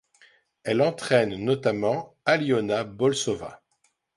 Elle entraîne notamment Aliona Bolsova.